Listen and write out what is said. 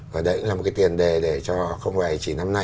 và đấy cũng là một cái tiền đề để cho không phải chỉ năm nay